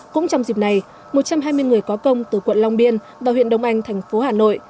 cũng trong dịp này một trăm hai mươi người có công từ quận long biên vào huyện đông anh thành phố hà nội